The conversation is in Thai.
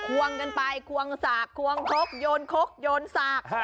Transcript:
ควงกันไปควงสากควงคกโยนคกโยนสาก